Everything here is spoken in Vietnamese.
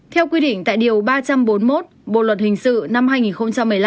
theo quy định tại điều ba trăm bốn mươi một bộ luật hình sự năm hai nghìn một mươi năm